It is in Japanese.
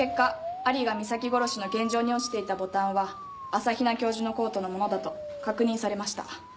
有賀美咲殺しの現場に落ちていたボタンは朝比奈教授のコートのものだと確認されました。